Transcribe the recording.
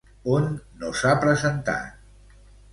On no s'ha presentat?